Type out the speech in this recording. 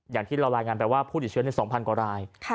อย่างที่เรารายงานไปว่าผู้ติดเชื้อใน๒๐๐กว่าราย